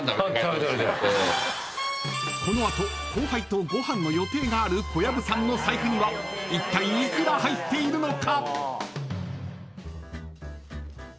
［この後後輩とご飯の予定がある小籔さんの財布にはいったい幾ら入っているのか？］